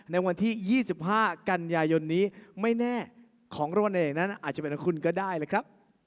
ในวันที่๒๕กันยายนนี้ไม่แน่ของโรนเอกนั้นอาจจะเป็นคุณก็ได้เลยครับ